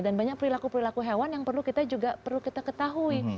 dan banyak perilaku perilaku hewan yang perlu kita ketahui